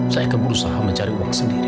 saya keberusahaan mencari uang sendiri